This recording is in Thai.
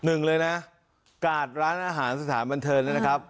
หนึ่งเลยนะกาดร้านอาหารสถานบันเทิงนะครับ